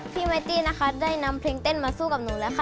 พี่ไมตี้นะคะได้นำเพลงเต้นมาสู้กับหนูแล้วค่ะ